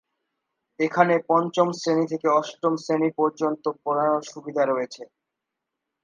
এখানে পঞ্চম শ্রেণি থেকে অষ্টম শ্রেণি পর্যন্ত পড়ানোর সুবিধা রয়েছে।